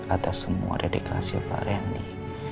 atas semua dedikasi pak rendy